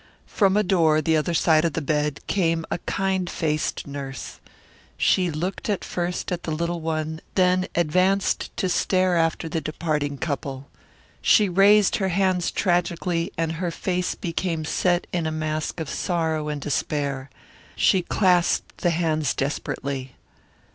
From a door the other side of the bed came a kind faced nurse. She looked first at the little one then advanced to stare after the departing couple. She raised her hands tragically and her face became set in a mask of sorrow and despair. She clasped the hands desperately.